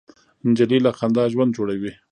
نجلۍ له خندا ژوند جوړوي.